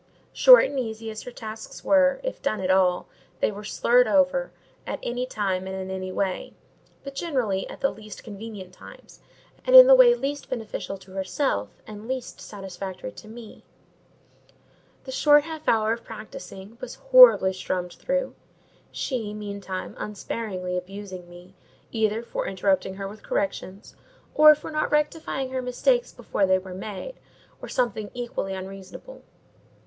Short and easy as her tasks were, if done at all, they were slurred over, at any time and in any way; but generally at the least convenient times, and in the way least beneficial to herself, and least satisfactory to me: the short half hour of practising was horribly strummed through; she, meantime, unsparingly abusing me, either for interrupting her with corrections, or for not rectifying her mistakes before they were made, or something equally unreasonable.